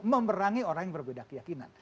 memerangi orang yang berbeda keyakinan